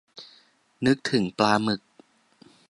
นึกถึงปลาหมึก